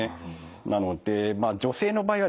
なので女性の場合はですね